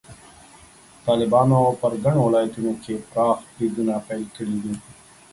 طالبانو په ګڼو ولایتونو کې پراخ بریدونه پیل کړي دي.